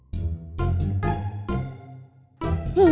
ketawa aja pake disuruh